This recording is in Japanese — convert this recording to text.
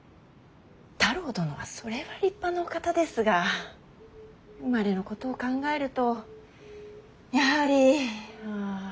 太郎殿はそれは立派なお方ですが生まれのことを考えるとやはりあ。